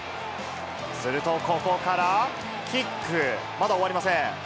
すると、ここからキック、まだ終わりません。